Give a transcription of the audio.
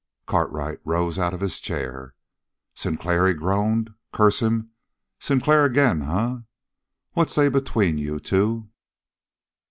Cartwright rose out of his chair. "Sinclair!" he groaned. "Curse him! Sinclair, ag'in, eh? What's they between you two?"